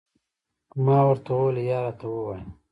ما ورته وویل، یا راته ووایه.